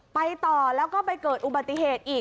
ไปต่อแล้วก็ไปเกิดอุบัติเหตุอีก